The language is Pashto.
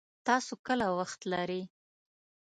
تاسو کله وخت لري